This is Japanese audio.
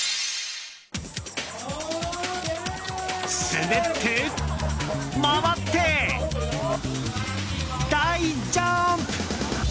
滑って、回って大ジャンプ！